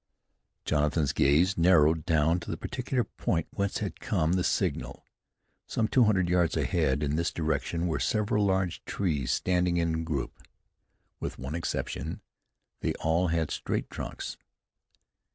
Jonathan's gaze narrowed down to the particular point whence had come the signal. Some two hundred yards ahead in this direction were several large trees standing in a group. With one exception, they all had straight trunks.